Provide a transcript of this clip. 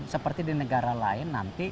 seperti di negara lain nanti